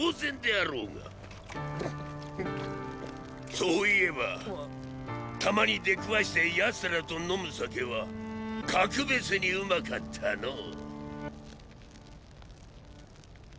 そう言えばたまに出くわして奴らと飲む酒は格別にうまかったのォ。